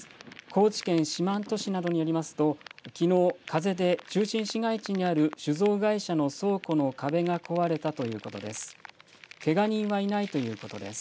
高知県四万十市などによりますときのう、風で中心市街地にある酒造会社の倉庫の壁が壊れたということです。